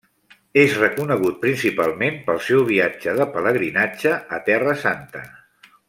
És reconegut principalment pel seu viatge de pelegrinatge a Terra Santa.